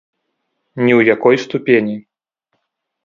Ні ў якой ступені.